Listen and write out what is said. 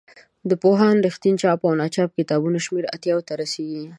د پوهاند رښتین چاپ او ناچاپ کتابونو شمېر اتیاوو ته رسیږي.